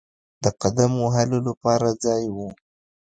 د قدم وهلو لپاره ځای وو.